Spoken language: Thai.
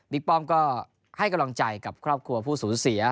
ป้อมก็ให้กำลังใจกับครอบครัวผู้สูญเสีย